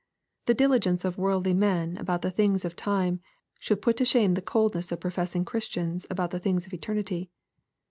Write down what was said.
The diligence of worldly men about the things of time, should put to shame the coldness of professing Christians ahout the things of eternity.